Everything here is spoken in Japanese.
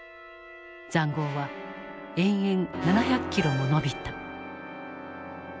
塹壕は延々７００キロも延びた。